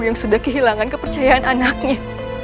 yang sudah kehilangan kepercayaan anaknya